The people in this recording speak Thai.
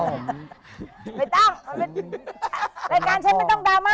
แรกงานฉันไม่ต้องดราม่า